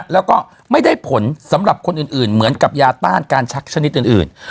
แล้วก็ไม่ได้ผลสำหรับคนอื่นเหมือนกับยาต้านการชักชนิดอื่น